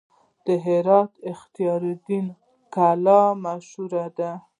د هرات اختیار الدین کلا مشهوره ده